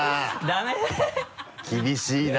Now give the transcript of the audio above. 厳しいな。